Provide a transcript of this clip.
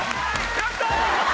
やったー！